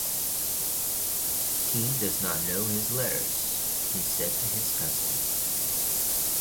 ‘He does not know his letters,’ he said to his cousin.